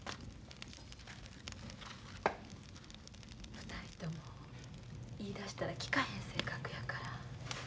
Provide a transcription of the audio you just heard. ２人とも言いだしたら聞かへん性格やから。